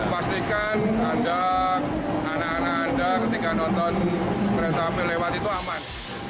pastikan anda anak anak anda ketika nonton kereta api lewat itu aman